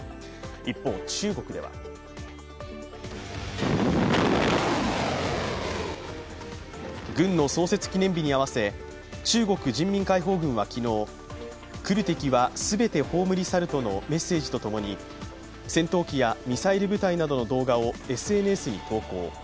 一方、中国では軍の創設記念日に合わせ中国人民解放軍は昨日来る敵は全て葬り去るとのメッセージと共に戦闘機やミサイル部隊などの動画をＳＮＳに投稿。